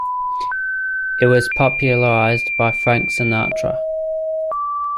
It was popularized by Frank Sinatra.